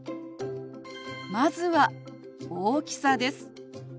まずは大きさです。